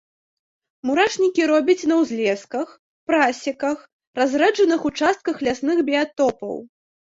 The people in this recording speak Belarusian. Мурашнікі робяць на ўзлесках, прасеках, разрэджаных участках лясных біятопаў.